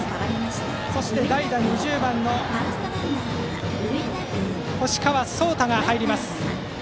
そして代打に２０番の干川颯大が入ります。